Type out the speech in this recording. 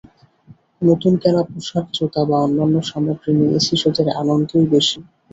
নতুন কেনা পোশাক জুতা বা অন্যান্য সামগ্রী নিয়ে শিশুদের আনন্দই বেশি।